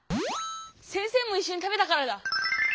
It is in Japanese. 先生もいっしょに食べたからだ。